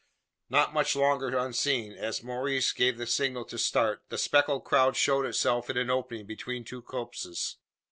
Not much longer unseen. As Maurice gave the signal to start, the speckled crowd showed itself in an opening between two copses.